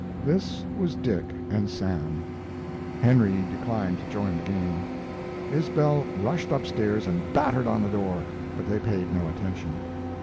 This was Dick and Sam; Henry declined to join the game. Isbell rushed up stairs and battered on the door, but they paid no attention.